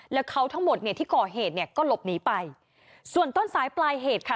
แล้วเขาทั้งหมดเนี่ยที่ก่อเหตุเนี่ยก็หลบหนีไปส่วนต้นสายปลายเหตุค่ะ